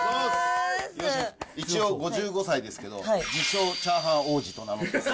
一応５５歳ですけど、自称チャーハン王子と名乗ってます。